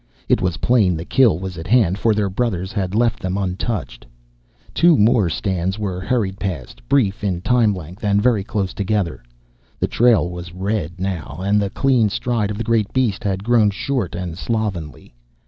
It was plain the kill was at hand, for their brothers had left them untouched. Two more stands were hurried past, brief in time length and very close together. The trail was red now, and the clean stride of the great beast had grown short and slovenly.